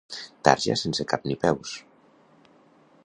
Tarja sense cap ni peus.